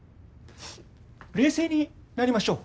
冷静になりましょう。